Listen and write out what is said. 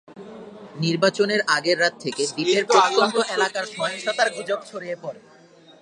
নির্বাচনের আগের রাত থেকে দ্বীপের প্রত্যন্ত এলাকায় সহিংসতার গুজব ছড়িয়ে পড়ে।